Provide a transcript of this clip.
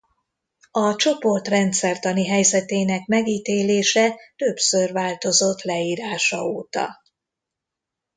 A csoport rendszertani helyzetének megítélése többször változott leírása óta.